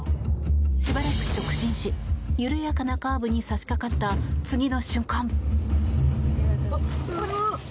しばらく直進し緩やかなカーブに差しかかった次の瞬間。